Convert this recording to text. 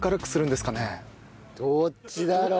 どっちだろうね。